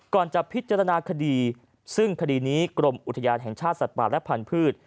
ก่อนจะพิจารณาคดีซึ่งคดีนี้กรมอุทยานแห่งชาติสัตว์ป่าและพันธุ์